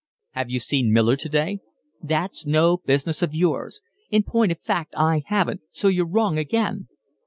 "Have you seen Miller today?" "That's no business of yours. In point of fact I haven't, so you're wrong again."